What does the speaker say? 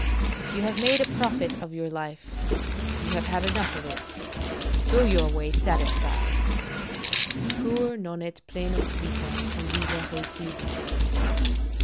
If you have made your profit of life, you have had enough of it; go your way satisfied. "Cur non ut plenus vita; conviva recedis?"